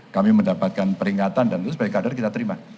kami mendapatkan peringatan dan itu sebagai kader kita terima